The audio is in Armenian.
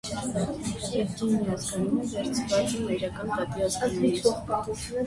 Եվգենիա ազգանունը վերցված է մայրական տատի ազգանունից։